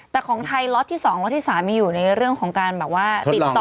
แต่ของไทยล็อตที่๒ล็อตที่๓มีอยู่ในเรื่องของการแบบว่าติดต่อ